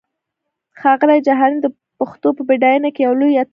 ښاغلی جهاني د پښتو په پډاینه کې یو لوی اتل دی!